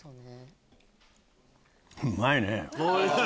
うまいね！